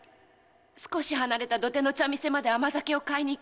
〔少し離れた土手の茶店まで甘酒を買いに行きました〕